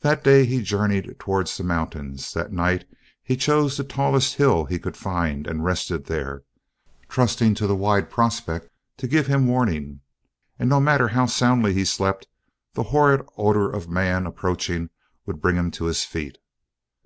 That day he journeyed towards the mountains; that night he chose the tallest hill he could find and rested there, trusting to the wide prospect to give him warning; and no matter how soundly he slept the horrid odor of man approaching would bring him to his feet.